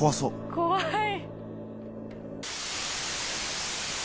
怖い。